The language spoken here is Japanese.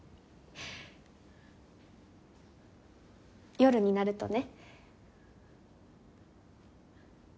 夜になるとね。